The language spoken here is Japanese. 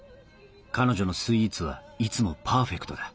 彼女のスイーツはいつもパーフェクトだ